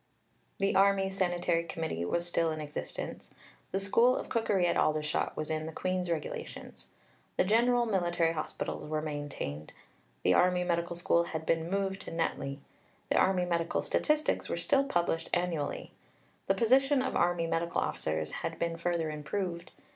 The Army Sanitary Committee was still in existence. The School of Cookery at Aldershot was in the Queen's Regulations. The General Military Hospitals were maintained. The Army Medical School had been moved to Netley. The Army Medical Statistics were still published annually. The position of Army Medical Officers had been further improved.